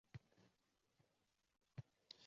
Men unga begonaman, tushunyapsizmi, begona!..